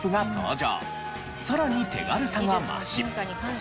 さらに手軽さが増し。